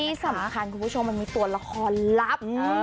ที่สำคัญคุณผู้ชมมันมีตัวละครลับ